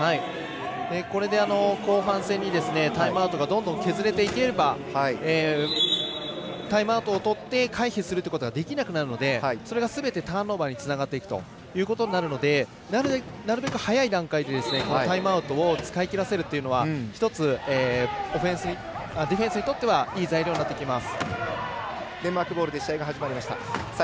これで後半戦にタイムアウトが、どんどん削れていければタイムアウトをとって回避するということができなくなるのでそれがすべてターンオーバーにつながっていくことになるのでなるべく早い段階でタイムアウトを使い切らせるというのは１つ、ディフェンスにとってはいい材料になってきます。